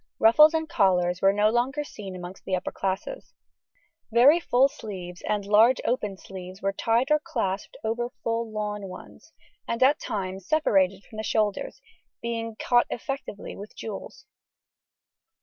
Ruffs and collars were no longer seen amongst the upper classes. Very full sleeves and large opened sleeves were tied or clasped over full lawn ones, and at times separated from the shoulders, being caught effectively with jewels.